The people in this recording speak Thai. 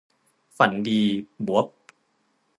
ฝันดีบ๊วบ